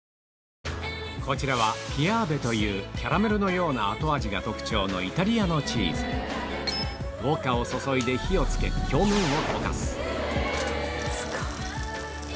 こちらはピアーヴェというキャラメルのような後味が特徴のイタリアのチーズウォッカを注いで火を付けすごい！